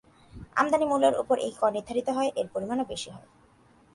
আমদানি মূল্যের ওপর এই কর নির্ধারিত হয়, এর পরিমাণও বেশি হয়।